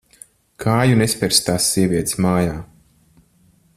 Kāju nespersi tās sievietes mājā.